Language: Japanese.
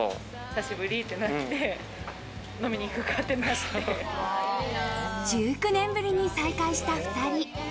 久しぶり！ってなって、１９年ぶりに再会した２人。